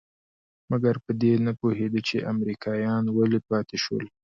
مګر په دې نه پوهېده چې امريکايان ولې پاتې شول.